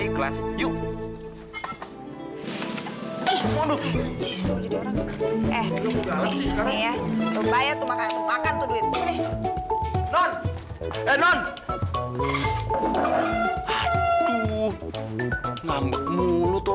ibu nggak mau